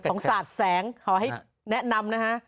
ของศาจแสงเขาแนะนำนะฮะ